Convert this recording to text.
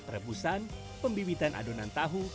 rebusan pembimbitan adonan tahu